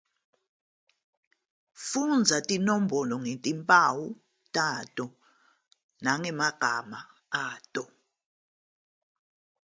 Funda izinombolo ngezimpawu zazo nangamagama azo.